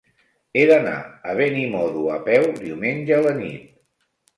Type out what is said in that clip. He d'anar a Benimodo a peu diumenge a la nit.